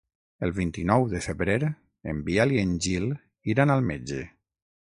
El vint-i-nou de febrer en Biel i en Gil iran al metge.